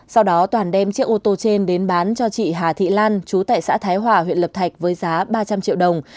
sau đó toàn đem chiếc ô tô trên đến bán cho chị hà thị lan chú tại xã thái hòa huyện lập thạch với giá ba trăm linh triệu đồng